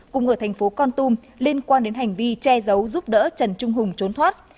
cùng ở thành phố con tum liên quan đến hành vi che giấu giúp đỡ trần trung hùng trốn thoát